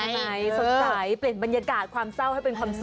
ไอเดียดีชมพูไงสดใจเปลี่ยนบรรยากาศความเศร้าให้เป็นความสุข